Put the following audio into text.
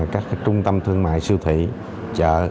các trung tâm thương mại siêu thị chợ